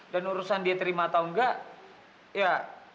dan urusan dia terima atau nggak ya